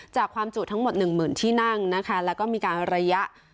จากความจุทั้งหมด๑๐๐๐๐ที่นั่งนะคะแล้วก็มีการระยะ